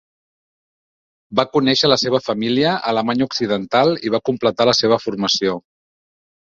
Va conèixer la seva família a Alemanya Occidental i va completar la seva formació.